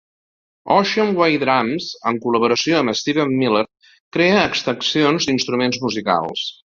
Ocean Way Drums, en col·laboració amb Steven Miller, crea extensions d'instruments musicals.